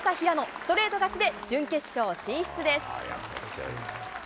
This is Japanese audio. ストレート勝ちで準決勝進出です。